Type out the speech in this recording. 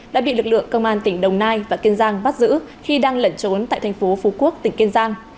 đã bị lực lượng công an tỉnh đồng nai và kiên giang bắt giữ khi đang lẩn trốn tại thành phố phú quốc tỉnh kiên giang